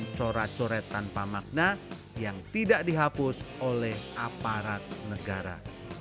dan corak coret tanpa makna yang tidak dihapus oleh aparat negara